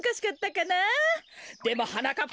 でもはなかっ